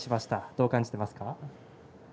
どう感じていますか。